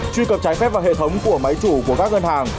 truy cập trái phép vào hệ thống của máy chủ của các ngân hàng